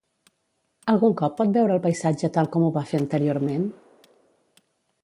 Algun cop pot veure el paisatge tal com ho va fer anteriorment?